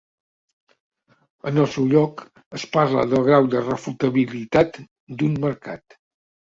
En el seu lloc, es parla del grau de refutabilitat d'un mercat.